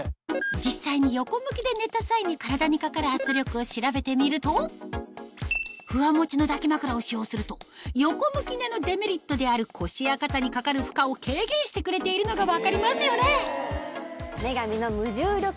実際に横向きで寝た際に体にかかる圧力を調べてみるとふわもちの抱き枕を使用すると横向き寝のデメリットである腰や肩にかかる負荷を軽減してくれているのが分かりますよね